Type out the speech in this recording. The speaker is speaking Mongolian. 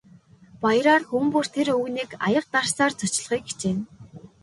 Баяраар хүн бүр тэр өвгөнийг аяга дарсаар зочлохыг хичээнэ.